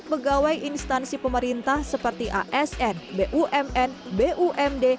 pegawai instansi pemerintah seperti asn bumn bumd